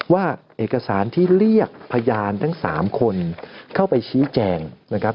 ว่าเอกสารที่เรียกพยานทั้ง๓คนเข้าไปชี้แจงนะครับ